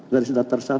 garis datar satu